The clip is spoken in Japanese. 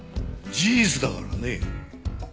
事実だからね。